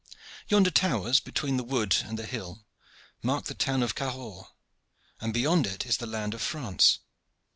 Yonder towers, between the wood and the hill, mark the town of Cahors, and beyond it is the land of France.